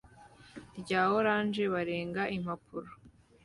rya orange barenga impapuro